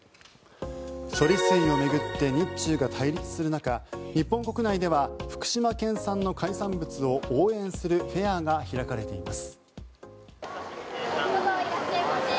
処理水を巡って日中が対立する中日本国内では福島県産の海産物を応援するフェアが開かれています。